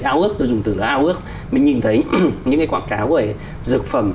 ao ước tôi dùng từ là ao ước mình nhìn thấy những cái quảng cáo về dược phẩm